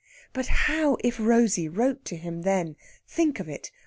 But how if Rosey wrote to him then think of it!